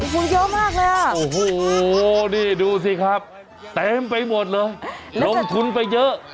โอ้โหเยอะมากเลยอ่ะโอ้โหนี่ดูสิครับเต็มไปหมดเลยลงทุนไปเยอะ